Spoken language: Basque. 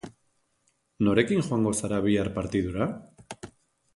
Norekin joango zara bihar partidura?